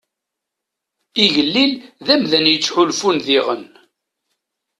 Igellil d amdan yettḥulfun diɣen.